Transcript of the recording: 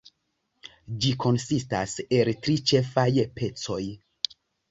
Ĝi konsistas el tri ĉefaj pecoj.